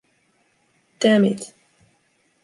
Damn it!